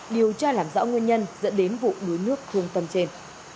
điều tra làm rõ nguyên nhân dẫn đến vụ đuối nước thương tâm trên